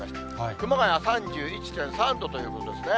熊谷３１．３度ということですね。